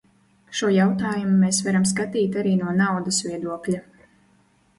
Šo jautājumu mēs varam skatīt arī no naudas viedokļa.